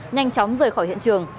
nhanh chóng rời khỏi hiện trường